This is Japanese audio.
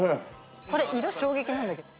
これ色衝撃なんだけど。